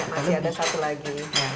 masih ada satu lagi